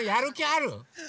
ある！